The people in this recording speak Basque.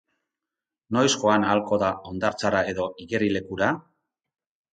Noiz joan ahalko da hondartzara edo igerilekura?